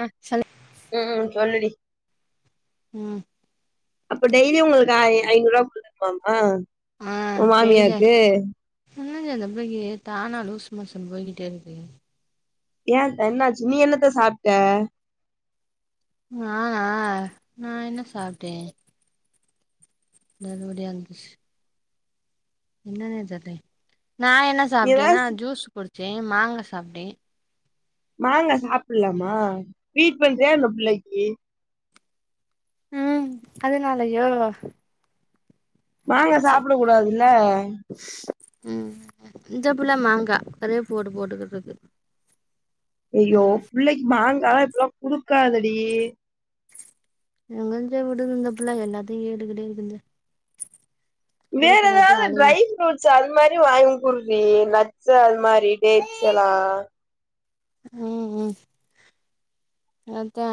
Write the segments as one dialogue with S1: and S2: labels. S1: அ சொல்
S2: ம்ம் சொல்லுடி
S1: ம்
S2: அப்ப டெய்லியு உங்கள்க்கு ஆய் ஐநூருவா குடு பம்மா உ மாமியாக்கு
S1: என்னஞ்சு அந்த ப்ளைக்கி தானா லூஸ்மோஸன் போய்கிட்டே இருக்கு
S2: ஏன்த என்னாச்சு நீ என்னத்த சாப்ட்ட
S1: நானா நா என்ன சாப்ட்டே நறுபடி ஆந்துஷ் என்னன்னே தெர்லே நா என்ன
S2: நீ
S1: சாப்ட்டேன்னா
S2: ஏதாவது
S1: ஜூஸ் குடிச்சே மாங்கா சாப்ட்டே
S2: மாங்கா சாப்புல்லாமா ஃபீட் பண்றியா என்ன புள்ளைக்கி
S1: ம் அதனாலயோ
S2: மாங்கா
S1: செரி
S2: சாப்ட கூடாதுல்ல
S1: ம் இந்த புள்ள மாங்கா அதே போடு போட்டுக்குட்ருக்கு
S2: எய்யோ புள்ளைக்கி மாங்கா இப்ல்லா குடுக்காதடி
S1: எங்கஞ்ச உடுது இந்தபுள்ள எல்லாத்தையு கேட்டுக்கிட்டே இருந்து
S2: வேற எதாவது ட்ரை ஃப்ரூட்ஸ் அது மாரி வாங்கி குடுறீ நட்ஸ்ஸு அது மாரி ட்டேட் ஸ்ஸலா
S1: ம் ம் அதா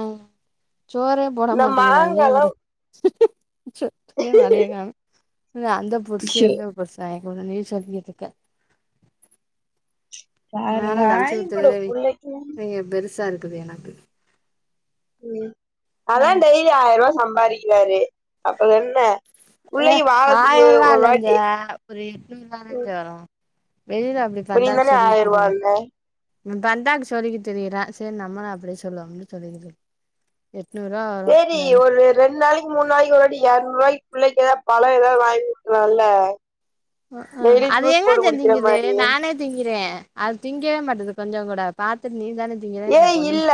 S1: சோரே போட
S2: இந்த
S1: மாட்டேங்கிறாய்ங்க
S2: மாங்காலா
S1: இதுல சோத்துக்கே வழிய கானோ இதுல அந்த ஃபுருட்ஸ்சு
S2: ஐயோ
S1: இந்த ஃபுருட்ஸ்சு வாங்கிகுடு நீ சொல்லிட்டு இருக்க
S2: வேற
S1: நாலா கஞ்சு
S2: வாங்கி குடு
S1: ஊத்துறதே வீ
S2: புள்ளைக்கு
S1: பெ பெருசா இருக்குது எனக்
S2: ம் ம் அதா
S1: ம்
S2: டெய்லி ஆய்ரூவா சம்பாறிக்கிறாரு அப்பறோ என்ன
S1: ஏ
S2: புள்ளைக்கு வாரத்துக்கு
S1: ஆயரூவா
S2: ஒரு
S1: இல்லஞ்ச
S2: வாட்டி
S1: ஒரு எட்நூரூவா தான்ஞ்ச வரு வெளில அப்டி
S2: இப்ப நீதான ஆயரூவான்ன
S1: தண்டாக்கு சொல்லிக்கிட்டு திரியுற சேரி நம்மளு அப்டியே சொல்லுவோம்னு சொல்லிக்கிட்டு இருக் எட்நூறுவா வரு இல்லனா
S2: ரெ ரெண் நாளைக் கு மூண் நாளைக்கு ஒரு வாட்டி எரநூறுாவாய்கு பிள்ளை ஏதா பழோ ஏதாது வாங்கி குடுக்கலால்ல
S1: ஆ அ
S2: டெய்லி
S1: அது
S2: ஜூஸ் போட்டு
S1: எங்கஞ்ச
S2: குடிக்கிற
S1: திங்கிது
S2: மாரி
S1: நானே திங்கிறே அது திங்கவே மாட்டுது கொஞ்சோ கூட பாத்துட்டு நீ தானே திங்கிற
S2: ஏய்
S1: எனக்கு ஒண்ணும்
S2: இல்ல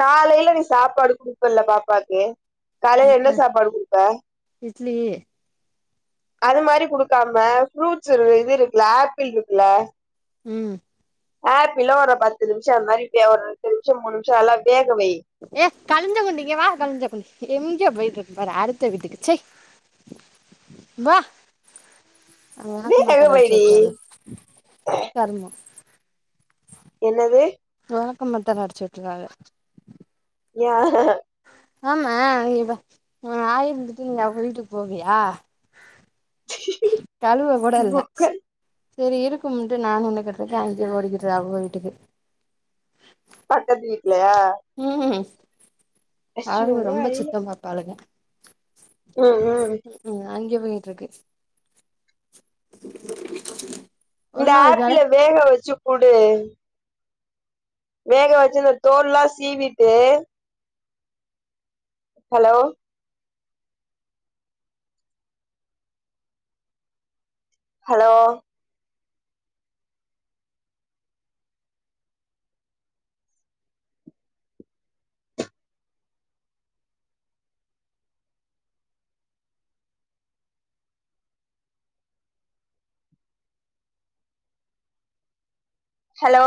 S2: காலையில நீ சாப்பாடு குடுப்பல்ல பாப்பாக்கு காலையில என்ன சாப்பாடு குடுப்ப
S1: இட்லி
S2: அது மாரி குடுக்காம ஃப்ரூட்ஸ் உ இது இருக்குல ஆப்பிள் இருக்குல்ல
S1: ம்
S2: ஆப்பில்லு ஒரு பத்து நிமிஷ அது மாரி வே ஒரு எட்டு நிமிஷோ மூணு நிமிஷோ நல்லா வேகவை
S1: ஏ கலிஞ்ச குண்டி இங்க வா கலிஞ்ச குண்டி எங்க போயிட்டு இருக்கு பாரு அடுத்த வீட்டுக்கு ச்சே வா அவ
S2: வேக
S1: வெளக்குமாத்தால
S2: வைடி
S1: அடிச்சுவுட்ருவாலே கருமோ
S2: என்னது
S1: வெளக்குமாத்தால அடிச்சு உட்ருக்காக
S2: யா
S1: ஆமா இவ இவ ஆய் இருந்துட்டு நீ அவுங்க வீட்டுக்கு போவியா தழுவ கூட
S2: உங்க
S1: இல்ல
S2: அக்கா
S1: சேரி இருக்கும்ன்ட்டு நானு உன்ன கேட்ருக்க அங்க ஓடிக்கிட்ற அவுங்க வீட்டுக்கு
S2: பக்கத்து வீட்லையா
S1: ம் ம் அவுளுங்க ரொம்ப
S2: ஐய
S1: சுத்தோ பாப்பாளுங்க
S2: ம் ம்
S1: ம் அங்கே போயிட்ருக்கு
S2: இந்த ஆப்பிள வேக வச்சு குடு வேக வச்சு இந்த தோல்லா சீவிட்டு ஹலோ ஹலோ ஹலோ